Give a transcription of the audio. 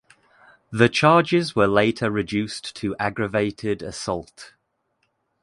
The charges were later reduced to aggravated assault.